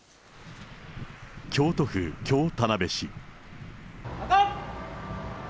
京都府京田辺市。